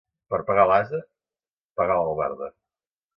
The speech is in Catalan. Per pegar a l'ase, pegar a l'albarda.